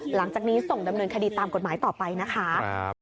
หลังจากนี้ส่งดำเนินคดีตามกฎหมายต่อไปนะคะ